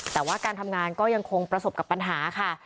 แต่ว่าการทำงานก็ยังคงประสบกับปัญหาค่ะ